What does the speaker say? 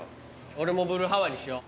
俺もブルーハワイにしよう。